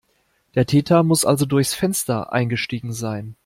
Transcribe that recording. Der Täter muss also durchs Fenster eingestiegen sein.